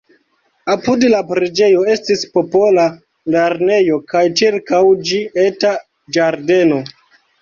Apud la preĝejo estis popola lernejo kaj ĉirkaŭ ĝi eta ĝardeno.